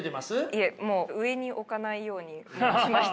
いえもう上に置かないようにしました。